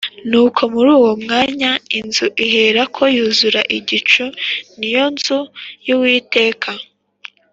nuko muri uwo mwanya inzu iherako yuzura igicu, ni yo nzu y’uwiteka.